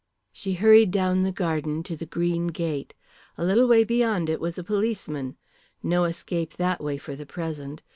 She hurried down the garden to the green gate. A little way beyond it was a policeman. No escape that way for the present.